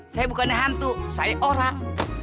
saya bukannya hantu saya orang